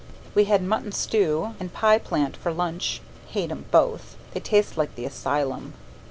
We had mutton stew and pie plant for lunch hate 'em both; they taste like the asylum.